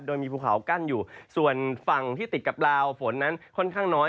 โดยมีภูเขากั้นอยู่ส่วนฝั่งที่ติดกับลาวฝนนั้นค่อนข้างน้อย